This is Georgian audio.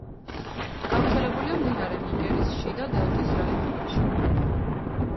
გავრცელებულია მდინარე ნიგერის შიდა დელტის რაიონებში.